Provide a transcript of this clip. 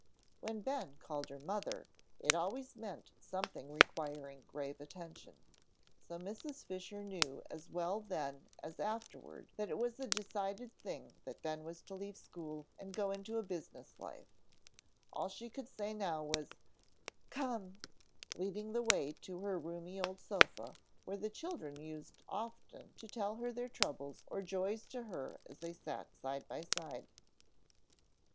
When Ben called her "Mother," it always meant something requiring grave attention. So Mrs. Fisher knew as well then as afterward that it was a decided thing that Ben was to leave school and go into a business life. All she said now was, "Come," leading the way to the roomy old sofa, where the children used often to tell their troubles or joys to her as they sat side by side.